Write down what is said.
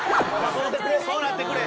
そうなってくれ！